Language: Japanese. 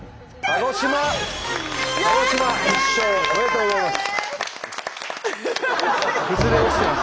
ありがとうございます。